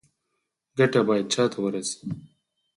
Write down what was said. ګټه باید چا ته ورسي؟